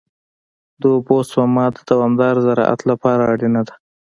د اوبو سپما د دوامدار زراعت لپاره اړینه ده.